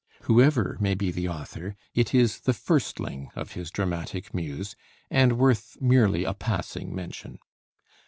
Whoever may be the author, it is the firstling of his dramatic muse, and worth merely a passing mention.